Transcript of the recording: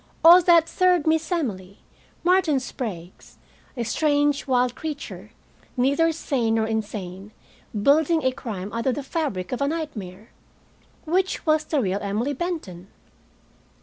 Or that third Miss Emily, Martin Sprague's, a strange wild creature, neither sane nor insane, building a crime out of the fabric of a nightmare? Which was the real Emily Benton?